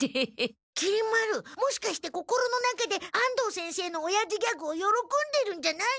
きり丸もしかして心の中で安藤先生のおやじギャグをよろこんでるんじゃない？